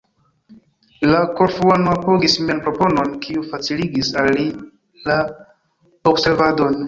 La Korfuano apogis mian proponon, kiu faciligis al li la observadon.